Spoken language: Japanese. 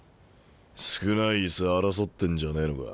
少ない椅子争ってんじゃねえのか。